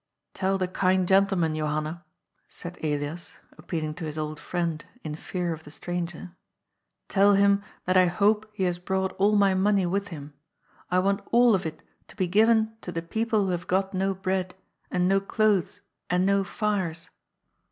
^' Tell the kind gentleman, Johanna,*' said Elias, appeal ing to his old friend in fear of the stranger. " Tell him that I hope he has brought all my money with him. I want all of it to be given to the people who have got no bread, and no clothes, and no fires.